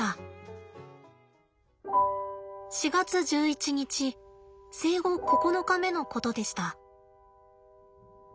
４月１１日生後９日目のことでした。